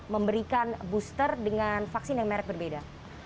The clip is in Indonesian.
memberikan booster dengan vaksin yang merek berbeda